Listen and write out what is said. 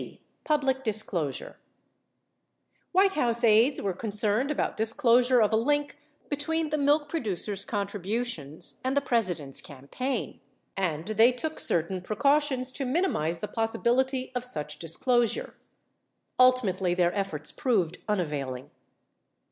Public Disclosure White House aides were concerned about disclosure of a link be tween the milk producers contributions and the President's campaign, 44 and they took certain precautions to minimize the possibility of such disclosure. Ultimately their efforts proved unavailing.